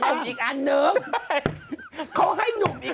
แต่หนุ่มไม่ได้พี่แมว่ะแต่หนุ่มไม่ได้